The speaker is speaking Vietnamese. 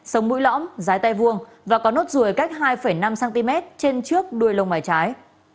sống mũi lõm dái tay vuông và có nốt rùi cách hai năm cm trên trước đuôi lông bài trái